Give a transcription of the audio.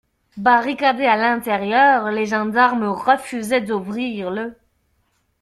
Barricadés à l'intérieur, les gendarmes refusaient d'ouvrir.